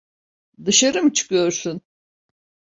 Dışarı mı çıkıyorsun?